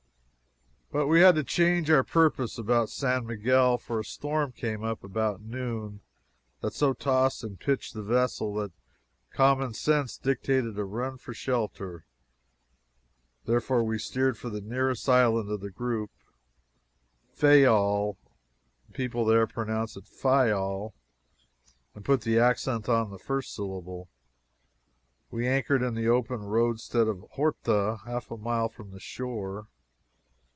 But we had to change our purpose about San Miguel, for a storm came up about noon that so tossed and pitched the vessel that common sense dictated a run for shelter. Therefore we steered for the nearest island of the group Fayal (the people there pronounce it Fy all, and put the accent on the first syllable). We anchored in the open roadstead of Horta, half a mile from the shore.